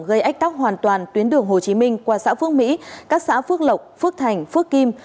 gây ách tắc hoàn toàn tuyến đường hồ chí minh qua xã phước mỹ các xã phước lộc phước thành phước kim